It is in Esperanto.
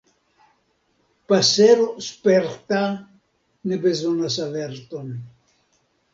Pasero sperta ne bezonas averton.